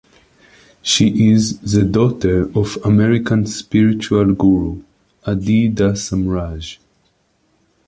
She is the daughter of American spiritual guru, Adi Da Samraj.